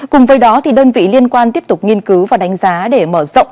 cùng với đó đơn vị liên quan tiếp tục nghiên cứu và đánh giá để mở rộng